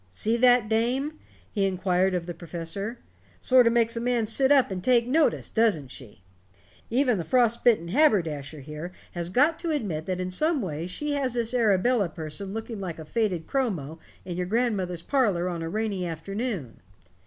"See that dame?" he inquired of the professor. "Sort of makes a man sit up and take notice, doesn't she? Even the frost bitten haberdasher here has got to admit that in some ways she has this Arabella person looking like a faded chromo in your grandmother's parlor on a rainy afternoon.